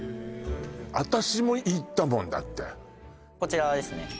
私も行ったもんだってこちらですね